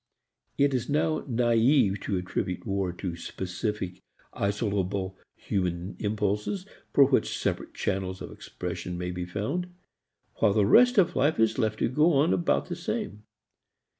It is now naive to attribute war to specific isolable human impulses for which separate channels of expression may be found, while the rest of life is left to go on about the same.